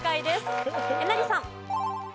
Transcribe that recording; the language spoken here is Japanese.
えなりさん。